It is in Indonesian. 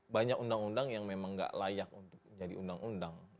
banyak undang undang yang memang gak layak untuk jadi undang undang